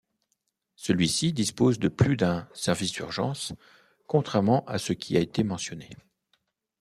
Celui-ci dispose de plus d'un service d'urgences, contrairement à ce qui a été mentionné.